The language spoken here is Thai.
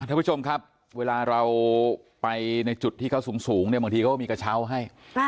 ท่านผู้ชมครับเวลาเราไปในจุดที่เขาสูงเนี่ยบางทีเขาก็มีกระเช้าให้